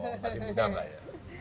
masih muda enggak ya